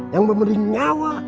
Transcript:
yang memberi nyawa